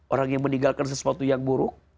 orang yang meninggalkan sesuatu yang buruk